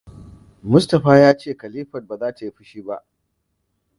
Mustapha ya ce Khalifat ba zai yi fushi ba.